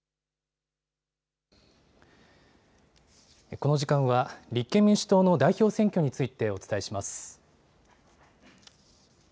この時間は、立憲民主党の代表選挙についてお伝えします。